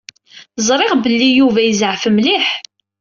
Ẓriɣ belli Yuba yezɛef mliḥ.